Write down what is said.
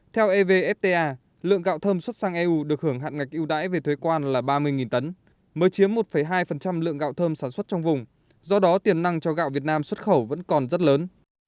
theo evfta lượng gạo thơm xuất sang eu được hưởng hạn ngạch ưu đãi về thuế quan là ba mươi tấn mới chiếm một hai lượng gạo thơm sản xuất trong vùng do đó tiền năng cho gạo việt nam xuất khẩu vẫn còn rất lớn